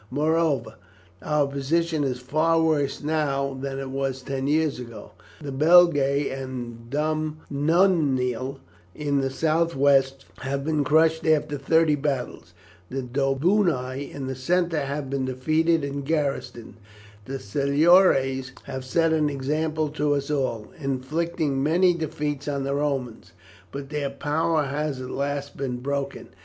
Moreover, our position is far worse now than it was ten years ago. The Belgae and Dumnonii in the southwest have been crushed after thirty battles; the Dobuni in the centre have been defeated and garrisoned; the Silures have set an example to us all, inflicting many defeats on the Romans; but their power has at last been broken.